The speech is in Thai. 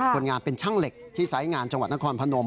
คนงานเป็นช่างเหล็กที่ไซส์งานจังหวัดนครพนม